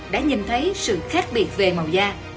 đã nhìn thấy sự khác biệt về màu da